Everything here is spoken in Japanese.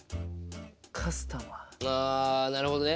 あなるほどね。